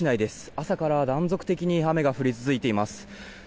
朝から断続的に雨が降り続いています。